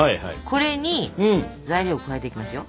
これに材料を加えていきますよ。